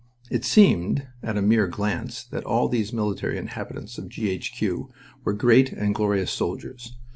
It seemed, at a mere glance, that all these military inhabitants of G. H. Q. were great and glorious soldiers.